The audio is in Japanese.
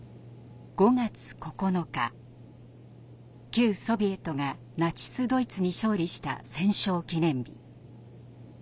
旧ソビエトがナチス・ドイツに勝利した戦勝記念日。